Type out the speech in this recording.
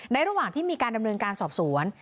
ระหว่างที่มีการดำเนินการสอบสวน